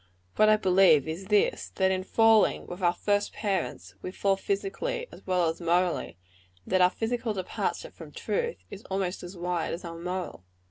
What I believe, is this. That in falling, with our first parents, we fall physically as well as morally; and that our physical departure from truth is almost as wide as our moral.